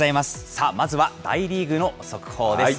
さあ、まずは大リーグの速報です。